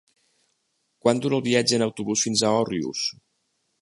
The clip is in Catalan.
Quant dura el viatge en autobús fins a Òrrius?